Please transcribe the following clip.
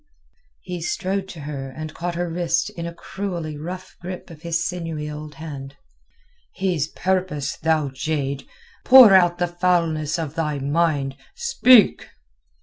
He strode to her and caught her wrist in a cruelly rough grip of his sinewy old hand. "His purpose, thou jade! Pour out the foulness of thy mind. Speak!"